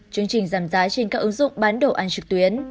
chương trình giảm giá trên các ứng dụng bán đồ ăn trực tuyến